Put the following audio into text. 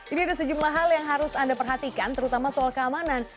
ini ada sejumlah hal yang harus anda perhatikan terutama soal keamanan